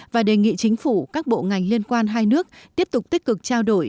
và đề nghị chính phủ các bộ ngành liên quan hai nước tiếp tục tích cực trao đổi